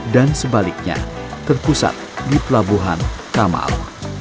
dan sebaliknya terpusat di pelabuhan kamal